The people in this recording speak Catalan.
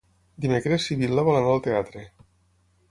Dimecres na Sibil·la vol anar al teatre.